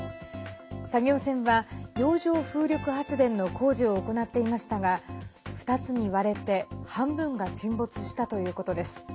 作業船は、洋上風力発電の工事を行っていましたが２つに割れて半分が沈没したということです。